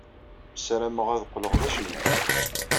Ssarameɣ ad qqleɣ d acennay.